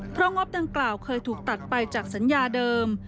เพราะงบดังกล่าวเคยถูกตัดไปจากสัญญาเดิม